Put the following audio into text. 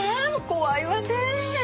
怖いわねえ。